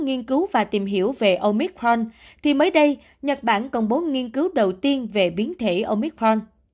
nghiên cứu và tìm hiểu về omic pin thì mới đây nhật bản công bố nghiên cứu đầu tiên về biến thể omicron